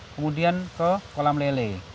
kemudian ke kolam lele